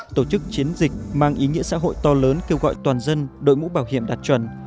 tổ chức chiến dịch mang ý nghĩa xã hội to lớn kêu gọi toàn dân đội mũ bảo hiểm đạt chuẩn